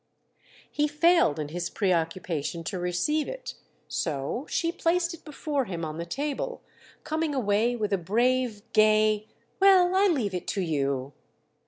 He failed, in his preoccupation, to receive it; so she placed it before him on the table, coming away with a brave gay "Well, I leave it to you!"